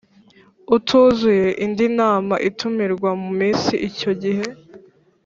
utuzuye indi nama itumirwa mu minsi icyo gihe